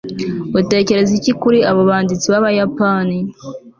utekereza iki kuri abo banditsi b'abayapani